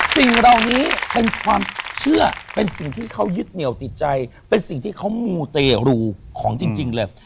สิ่งเหล่านี้เป็นความเชื่อเป็นสิ่งที่เขายึดเหนียวติดใจเป็นสิ่งที่เขามูเตรูของจริงเลย